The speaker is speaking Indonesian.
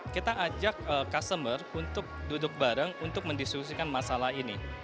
kita ajak customer untuk duduk bareng untuk mendiskusikan masalah ini